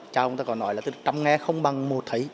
cha ông ta có nói là từ trăm nghe không bằng một thấy